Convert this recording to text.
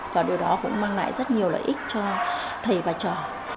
và điều đó cũng mang lại rất nhiều lợi ích cho thầy và trò